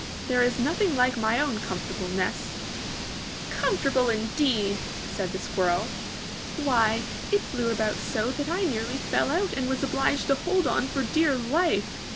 There is nothing like my own comfortable nest!" ^^Comfortable indeed!" said the Squirrel. ^Why, it blew about so that I nearly fell out and was obliged to hold on for dear life.